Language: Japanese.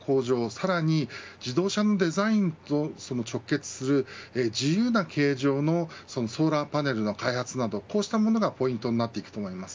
さらに、自動車のデザインと直結する自由な形状のソーラーパネルの開発などこうしたものがポイントになっていくと思います。